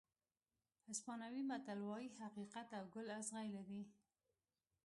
اسپانوي متل وایي حقیقت او ګل اغزي لري.